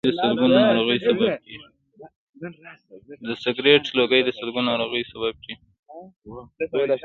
د سګرټ لوګی د سلګونو ناروغیو سبب کېږي.